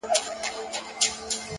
هره ناکامي د تجربې خزانه زیاتوي.